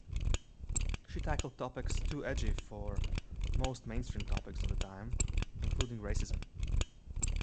She tackled topics too edgy for most mainstream comics of the time, including racism.